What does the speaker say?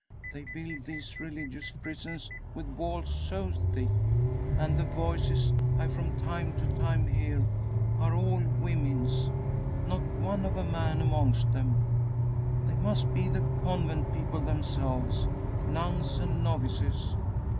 They build these religious prisons with walls so thick! And the voices, I from time to time hear, are all women's. Not one of a man amongst them! They must be the Convent people themselves! Nuns and novices!